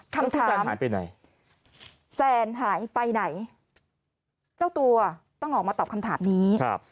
คำถามแซนหายไปไหนเจ้าตัวต้องออกมาตอบคำถามนี้